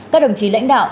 các đồng chí lãnh đạo